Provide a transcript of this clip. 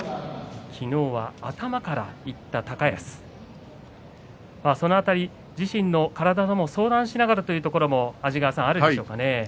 昨日は頭からいった高安その辺り自身の体とも相談しながらというところもあるんですね。